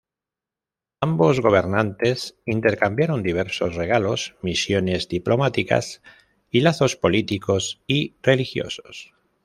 Ambos gobernantes intercambiaron diversos regalos, misiones diplomáticas y lazos políticos y religiosos.